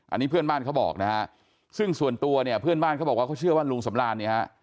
อันนี้เพื่อนบ้านเขาบอกซึ่งส่วนตัวเพื่อนบ้านเขาบอกว่าเขาเชื่อว่าลุงสำราญ